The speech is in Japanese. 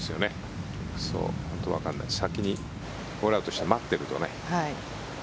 先にホールアウトして待っているとね。